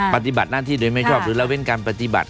ปฏิบัติหน้าที่โดยไม่ชอบหรือละเว้นการปฏิบัติ